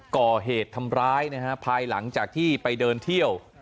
ก่อเหตุทำร้ายนะฮะภายหลังจากที่ไปเดินเที่ยว